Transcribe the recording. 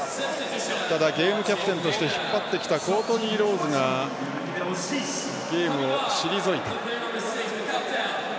ゲームキャプテンとして引っ張ってきたコートニー・ローズがゲームを退いた。